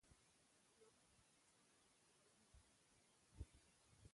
لوگر د افغانستان د جغرافیایي موقیعت پایله ده.